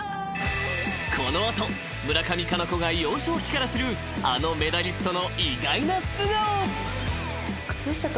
［この後村上佳菜子が幼少期から知るあのメダリストの］